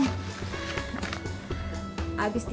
abis ditanya mba surti